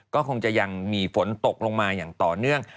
ก็คงจะยังมีฝนตกลงมาอย่างต่อเนื่อง